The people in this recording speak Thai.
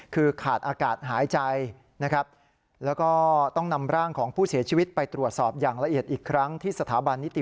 คือขาดอากาศหายใจนะครับแล้วก็ต้องนำร่างของผู้เสียชีวิตไปตรวจสอบอย่างละเอียดอีกครั้งที่สถาบันนิติ